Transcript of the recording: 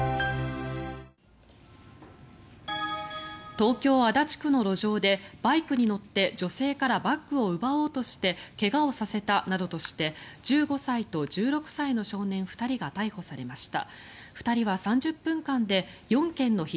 東京・足立区の路上でバイクに乗って、女性からバッグを奪おうとして怪我をさせたなどとして１５歳と１６歳の少年２人が逮捕されました。